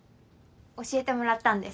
教えてもらったんです。